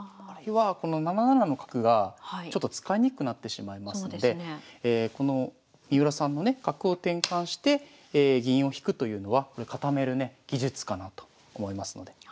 あるいはこの７七の角がちょっと使いにくくなってしまいますのでこの三浦さんのね角を転換して銀を引くというのはこれ固めるね技術かなと思いますので。